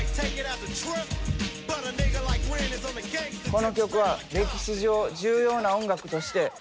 この曲は歴史上重要な音楽としてへえ。